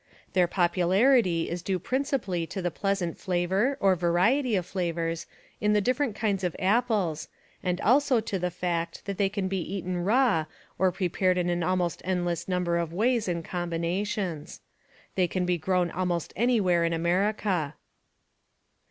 Their popularity is due principally to the pleasant flavor, or variety of flavors, in the different kinds of apples and also to the fact that they can be eaten raw or pre pared in an almost endless number of ways and combinations. They can be grown almost anywhere in America.